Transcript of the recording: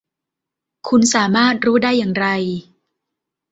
คุณสามารถรู้ได้อย่างไร